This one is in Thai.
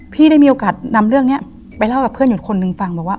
ได้มีโอกาสนำเรื่องนี้ไปเล่ากับเพื่อนอีกคนนึงฟังบอกว่า